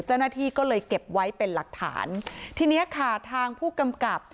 เจ้าหน้าที่ก็เลยเก็บไว้เป็นหลักฐานทีเนี้ยค่ะทางผู้กำกับ